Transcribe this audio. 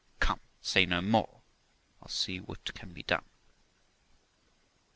Come, say no more; I will see what can be done.'